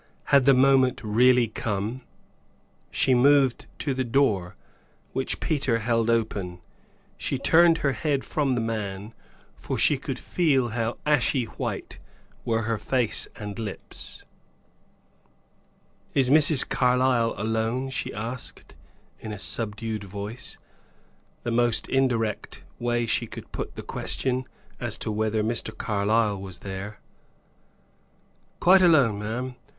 Had the moment really come? She moved to the door, which Peter held open. She turned her head from the man, for she could feel how ashy white were her face and lips. "Is Mrs. Carlyle alone?" she asked, in a subdued voice. The most indirect way she could put the question, as to whether Mr. Carlyle was there. "Quite alone, ma'am.